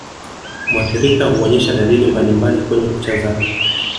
Muathirika huonesha dalili mbalimbali kwenye kucha zake